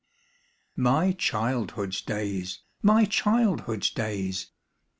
Mx childhood's days ! my childhood's days !